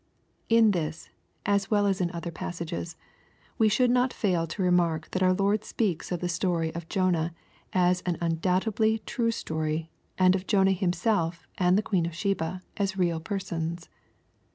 In this, as well as in other passages, we should not fail to re mark that our Lord speaks of the story it Jonah as an undoubt edly true story, and of Jonah himself and «he queen of Sheba as real persons.